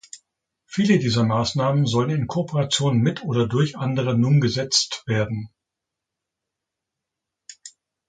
Viele dieser Maßnahmen sollen in Kooperation mit oder durch andere Numgesetzt werden.